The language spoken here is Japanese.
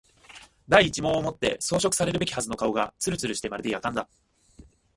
第一毛をもって装飾されるべきはずの顔がつるつるしてまるで薬缶だ